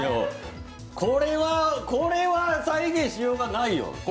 これは再現しようがないよ。